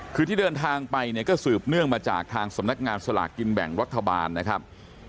คือที่เดินทางไปเนี่ยก็สืบเนื่องมาจากทางสำนักงานสลากกินแบ่งรัฐบาลนะครับ